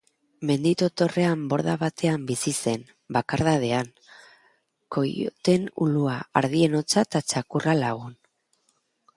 Mendi tontorrean borda batean bizi zen, bakardadean, koioteen ulua, ardien hotsa eta txakurra lagun.